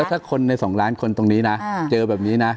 ถ้าคนใน๒ล้านคนตรงนี้นะเจอแบบนี้นะ